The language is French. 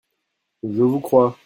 Je vous crois.